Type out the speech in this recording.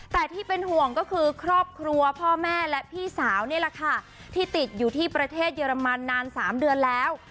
แต่ที่เป็นห่วงก็คือครอบครัวพ่อแม่และพี่สาวนี่แหละค่ะที่ติดอยู่ที่ประเทศเยอรมันนาน๓เดือนแล้ว